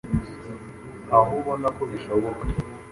aho ubona ko bishoboka